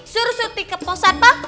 suruh surti ke posat pak